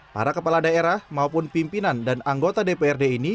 para kepala daerah maupun pimpinan dan anggota dprd ini